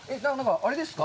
あれですか？